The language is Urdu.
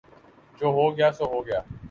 جو ہو گیا سو ہو گیا